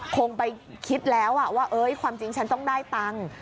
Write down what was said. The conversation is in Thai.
คงไปคิดแล้วว่าความจริงฉันต้องได้ตังค์